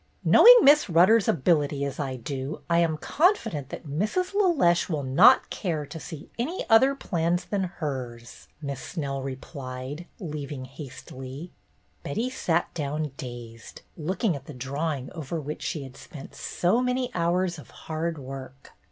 "Knowing Miss Rutter's ability as I do, I am confident that Mrs. LeLeche will not care to see any other plans than hers," Miss Snell replied, leaving hastily. Betty sat down dazed, looking at the draw ing over which she had spent so many hours of hard work.